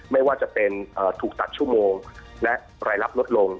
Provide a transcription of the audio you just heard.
ไม่ว่าจะเป็นถูกตัดชั่วโมงและรายรับลดลง